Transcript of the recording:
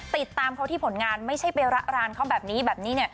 ติดตามเขาที่ผลงานไม่ใช่ไประรานเขาแบบนี้แบบนี้